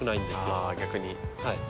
ああ逆に。